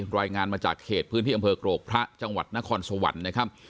รายงานมาจากเขตพื้นที่อำเภอกรกพระจังหวัดนครสวรรค์นะครับ